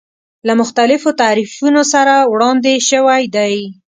له مختلفو تعریفونو سره وړاندې شوی دی.